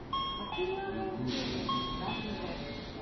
yukutaq